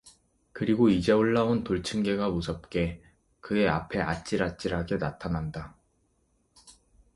그리고 이제 올라온 돌층계가 무섭게 그의 앞에 아찔아찔하게 나타난다.